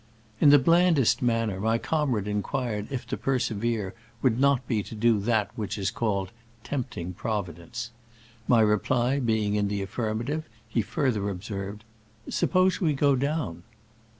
In the blandest manner my comrade inquired if to persevere would not be to do that which is called "tempting Prov idence." My reply being in the affirma tive, he further observed, " Suppose we go down?"